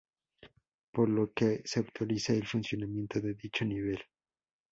Por lo que se autoriza el funcionamiento de dicho nivel.